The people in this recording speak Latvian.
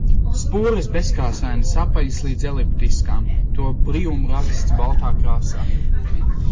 Sporas bezkrāsainas, apaļas līdz eliptiskām, to birumraksts baltā krāsā.